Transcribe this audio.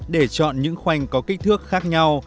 để chọn những khoanh có kích thước khác nhau